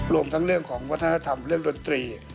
รวมทั้งเรื่องของวัฒนธรรมเรื่องดนตรี